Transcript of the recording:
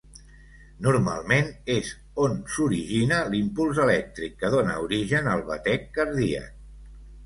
Normalment, és on s'origina l'impuls elèctric que dóna origen al batec cardíac.